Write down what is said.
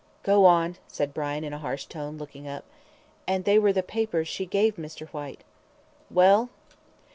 "Go on," said Brian, in a harsh tone, looking up. "And they were the papers she gave Mr. Whyte." "Well!"